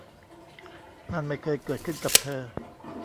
นั่นไม่เคยเกิดขึ้นกับเธอ